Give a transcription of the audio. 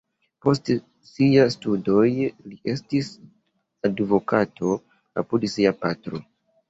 Post siaj studoj li estis advokato apud sia patro.